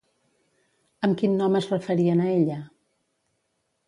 Amb quin nom es referien a ella?